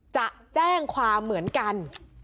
จะแจ้งความเหมือนกัน